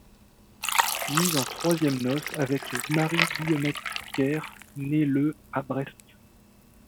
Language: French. Puis en troisième noces avec Marie Guillemette Querné le à Brest.